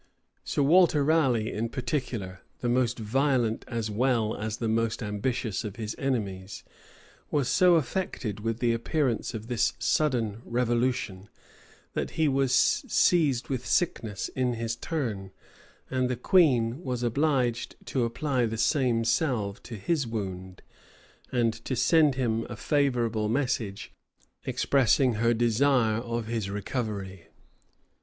Sir Walter Raleigh in particular, the most violent as well as the most ambitious of his enemies, was so affected with the appearance of this sudden revolution, that he was seized with sickness in his turn; and the queen was obliged to apply the same salve to his wound, and to send him a favorable message, expressing her desire of his recovery.